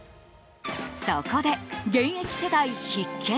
そこで、現役世代必見！